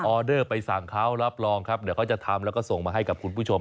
เดอร์ไปสั่งเขารับรองครับเดี๋ยวเขาจะทำแล้วก็ส่งมาให้กับคุณผู้ชม